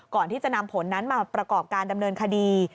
ก่อนที่จะนำผลนั้นมาประกอบการดำเนินคดี